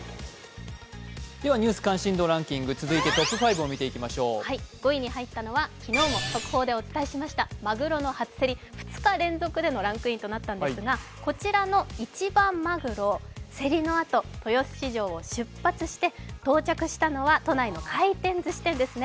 「ニュース関心度ランキング」続いてトップ５を見ていきましょう５位に入ったのは昨日も速報でお伝えしましたまぐろの初競り、２日連続でのランクインとなったんですがこちらの一番マグロ、競りのあと豊洲市場を出発して、到着したのは都内の回転ずし店ですね。